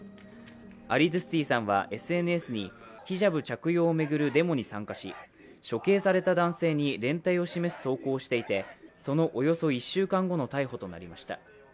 アリドゥスティさんはＳＮＳに、ヒジャブ着用を巡るデモに参加し、処刑された男性に連帯を示す投稿をしていてそのおよそ１週間後の逮捕となりました。